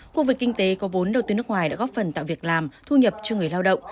khu vực kinh tế có vốn đầu tư nước ngoài đã góp phần tạo việc làm thu nhập cho người lao động